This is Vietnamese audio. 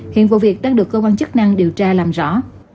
hiện vụ việc đang được cơ quan chức năng điều tra làm rõ